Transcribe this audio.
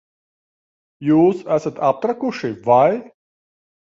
Jūs esat aptrakuši, vai?